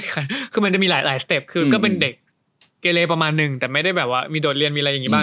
ค่ะคือมันจะมีหลายสเต็ปคือก็เป็นเด็กเกเลประมาณนึงแต่ไม่ได้แบบว่ามีโดดเรียนมีอะไรอย่างนี้บ้าง